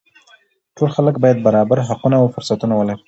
ټول خلک باید برابر حقونه او فرصتونه ولري